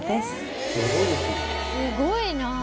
すごいな。